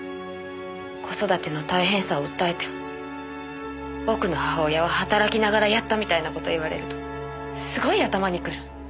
子育ての大変さを訴えても僕の母親は働きながらやったみたいな事言われるとすごい頭にくる。